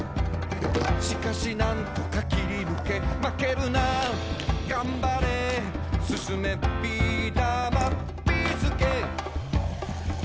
「しかし何とか切りぬけ」「まけるながんばれ」「進め！ビーだまビーすけ」